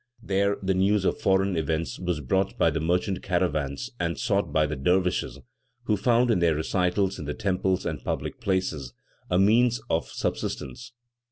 There the news of foreign events was brought by the merchant caravans and sought by the dervishes, who found, in their recitals in the temples and public places, a means of subsistence.